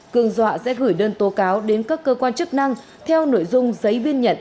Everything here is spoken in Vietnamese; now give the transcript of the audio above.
cương dọa sẽ gửi đơn tố cáo đến các cơ quan chức năng theo nội dung giấy biên nhận